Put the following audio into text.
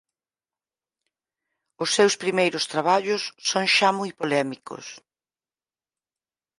Os seus primeiros traballos son xa moi polémicos.